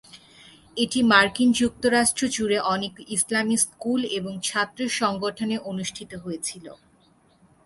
এটি মার্কিন যুক্তরাষ্ট্র জুড়ে অনেক ইসলামি স্কুল এবং ছাত্র সংগঠনে অনুষ্ঠিত হয়েছিল।